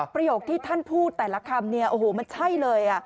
ประโยคที่ท่านพูดแต่ละคำเนี่ยโอ้โหมันใช่เลย